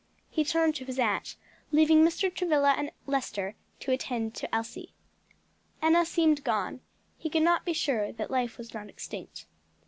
He turned to his aunt, leaving Mr. Travilla and Lester to attend to Elsie. Enna seemed gone; he could not be sure that life was not extinct.